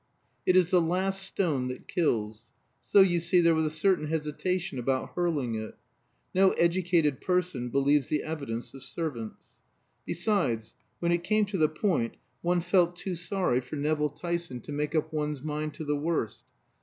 It is the last stone that kills; so, you see, there was a certain hesitation about hurling it. No educated person believes the evidence of servants. Besides, when it came to the point, one felt too sorry for Nevill Tyson to make up one's mind to the worst.